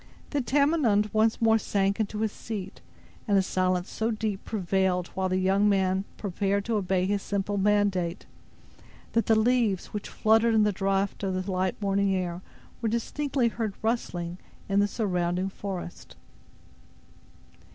Then Tamenund once more sank into his seat, and a silence so deep prevailed while the young man prepared to obey his simple mandate, that the leaves, which fluttered in the draught of the light morning air, were distinctly heard rustling in the surrounding forest.